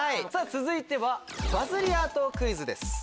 続いてはバズりアートクイズです。